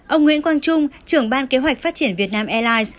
ông nguyễn quang trung trưởng ban kế hoạch phát triển việt nam airlines